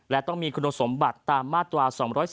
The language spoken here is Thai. และต้องมีคุณสมบัติตามมาตรา๒๔